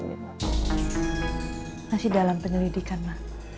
masih dalam penyelidikan ma